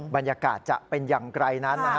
บรรยากาศจะเป็นอย่างไรนั้น